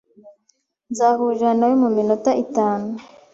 Nzahurira nawe muminota itanu.